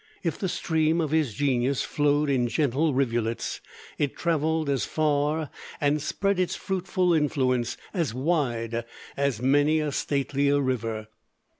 If the stream of his genius flowed in gentle rivulets, it traveled as far and spread its fruitful influence as wide as many a statelier river.